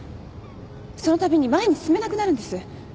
そのたびに前に進めなくなるんです